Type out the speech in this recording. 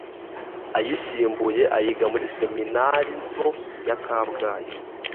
ayisumbuye ayiga muri Seminari nto ya Kabgayi